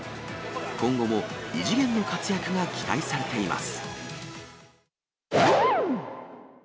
今後も異次元の活躍が期待されています。